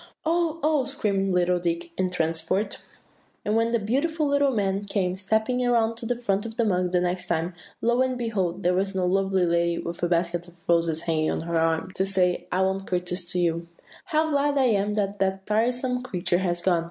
"Oh, oh!" screamed little Dick in a transport. "And when the beautiful little man came stepping around to the front of the mug the next time, lo, and behold! there was no lovely lady, with a basket of roses hanging on her arm, to say, 'I won't courtesy to you.' "'How glad I am that that tiresome creature has gone!